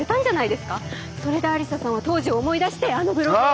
それで愛理沙さんは当時を思い出してあのブログを。